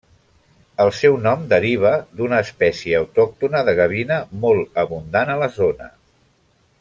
El seu nom deriva d'una espècie autòctona de gavina molt abundant a la zona.